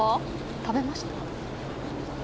食べました？